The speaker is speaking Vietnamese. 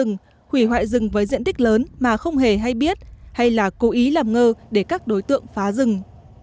ngoại rừng với diện tích lớn mà không hề hay biết hay là cố ý làm ngơ để các đối tượng phá rừng